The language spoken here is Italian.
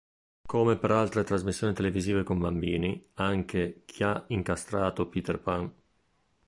Come per altre trasmissioni televisive con bambini, anche "Chi ha incastrato Peter Pan?